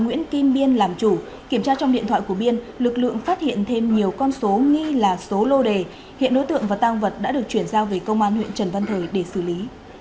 nguyễn kim biên làm chủ kiểm tra trong điện thoại của biên lực lượng phát hiện thêm nhiều con số nghi là số lô đề hiện đối tượng và tang vật đã được chuyển giao về công an huyện trần văn thời để xử lý